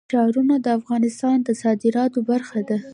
ښارونه د افغانستان د صادراتو برخه ده.